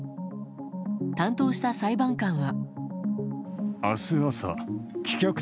担当した裁判官は。